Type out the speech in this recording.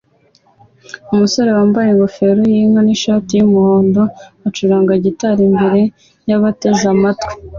Umusore wambaye ingofero yinka nishati yumuhondo acuranga gitari imbere yabateze amatwi